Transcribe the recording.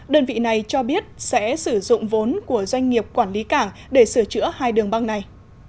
đơn vị này cho biết sẽ sử dụng vốn của doanh nghiệp quản lý cảng để sửa chữa hai đường băng này